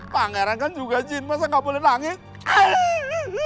pangeran kan juga jin masa gak boleh nangis